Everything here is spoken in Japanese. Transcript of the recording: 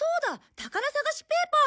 宝さがしペーパー！